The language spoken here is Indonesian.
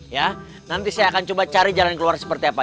ya nanti saya akan coba cari jalan keluar seperti apa